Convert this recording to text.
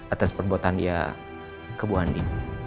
atas perbuatan dia ke bu andi